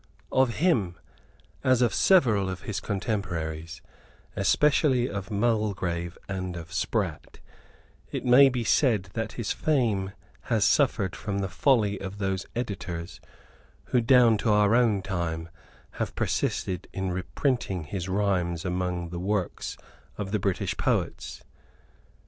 Of him, as of several of his contemporaries, especially of Mulgrave and of Sprat, it may be said that his fame has suffered from the folly of those editors who, down to our own time, have persisted in reprinting his rhymes among the works of the British poets.